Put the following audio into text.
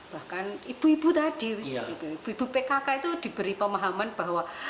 bahkan ibu ibu tadi ibu pkk itu diberi pemahaman bahwa